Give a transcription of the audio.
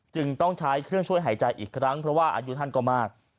จึงต้องใช้เครื่องช่วยหายใจอีกครั้งเพราะว่าอายุท่านก็มาก